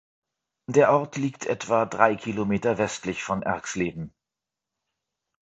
Der Ort liegt etwa drei Kilometer westlich von Erxleben.